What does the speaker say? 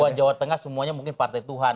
bahwa jawa tengah semuanya mungkin partai tuhan